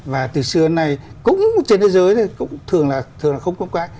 và từ xưa đến nay cũng trên thế giới cũng thường là không công khai